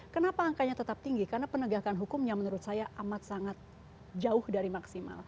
kenapa angkanya tetap tinggi karena penegakan hukumnya menurut saya amat sangat jauh dari maksimal